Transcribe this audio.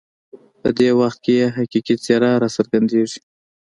په دې وخت کې یې حقیقي څېره راڅرګندېږي.